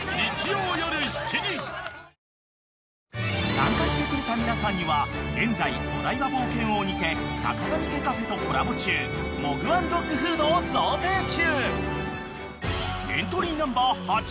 ［参加してくれた皆さんには現在お台場冒険王にてさかがみ家カフェとコラボ中モグワンドッグフードを贈呈中］